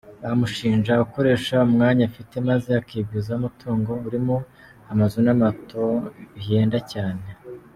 Bamushinja gukoresha umwanya afite maze akigwizaho umutungo urimwo amazu n'amato bihenda cyane.